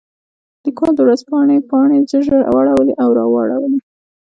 لیکوال د ورځپاڼې پاڼې ژر ژر واړولې او راواړولې.